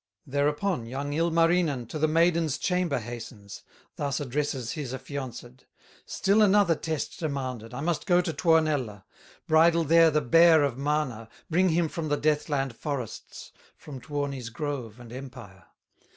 Thereupon young Ilmarinen To the maiden's chamber hastens, Thus addresses his affianced: "Still another test demanded, I must go to Tuonela, Bridle there the bear of Mana, Bring him from the Death land forests, From Tuoni's grove and empire!"